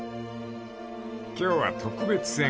［今日は特別編］